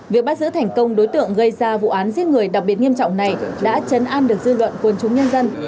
việc bắt giữ thành công đối tượng gây ra vụ án giết người đặc biệt nghiêm trọng này đã chấn an được dư luận quân chúng nhân dân